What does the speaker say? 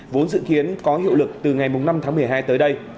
vốn dự kiến có hiệu lực từ ngày năm tháng một mươi hai tới đây